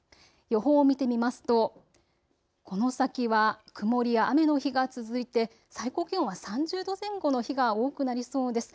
予報を見てみますとこの先は曇りや雨の日が続いて最高気温は３０度前後の日が多くなりそうです。